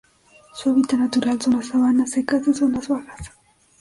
Su hábitat natural son las sabanas secas de zonas bajas.